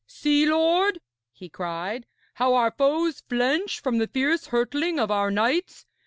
'See, lord,' he cried, 'how our foes flinch from the fierce hurtling of our knights.